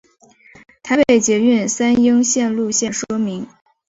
台北捷运三莺线路线说明